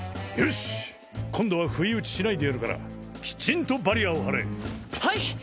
しっ今度は不意打ちしないでやるからきちんとバリアを張れはい！